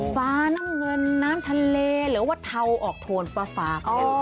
ฟ้าน้ำเงินน้ำทะเลหรือว่าเทาออกโทนฟ้า